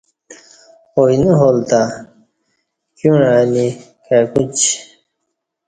اوئینہ حال تہ کیوعں انی کائی کوچی